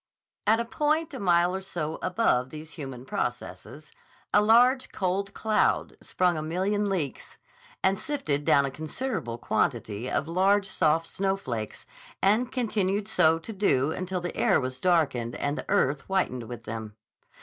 At a point a mile or so above these human processes a large, cold cloud sprung a million leaks and sifted down a considerable quantity of large, soft snowflakes, and continued so to do until the air was darkened and the earth whitened with them.